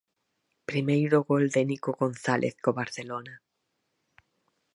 Primeiro gol de Nico González co Barcelona.